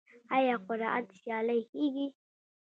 آیا قرائت سیالۍ کیږي؟